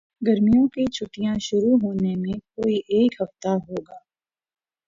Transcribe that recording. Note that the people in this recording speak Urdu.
گرمیوں کی چھٹیاں شروع ہونے میں کوئی ایک ہفتہ ہو گا